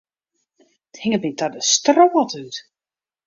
It hinget my ta de strôt út.